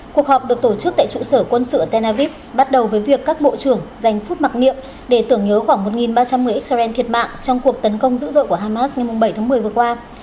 cuộc họp được tổ chức tại trụ sở quân sự ở tel aviv bắt đầu với việc các bộ trưởng dành phút mặc niệm để tưởng nhớ khoảng một ba trăm một mươi israel thiệt mạng trong cuộc tấn công dữ dội của hamas ngày bảy tháng một mươi vừa qua